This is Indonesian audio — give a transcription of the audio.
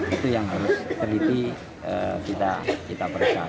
itu yang harus terhiti kita percaya